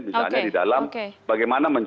misalnya di dalam